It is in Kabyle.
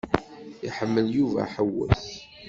Iḥemmel Yuba aḥewwes.